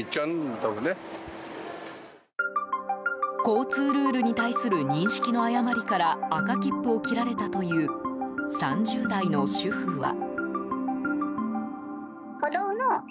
交通ルールに対する認識の誤りから赤切符を切られたという３０代の主婦は。